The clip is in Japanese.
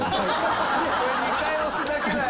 ２回押すだけだよ。